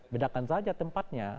bedakan saja tempatnya